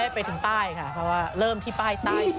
ไปถึงป้ายค่ะเพราะว่าเริ่มที่ป้ายใต้สุด